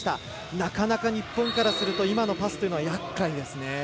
なかなか、日本からすると今のパスはやっかいですね。